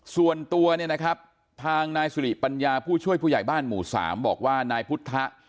ส่วนตัวเนี่ยนะครับทางนายสุริปัญญาผู้ช่วยผู้ใหญ่บ้านหมู่๓บอกว่านายพุทธ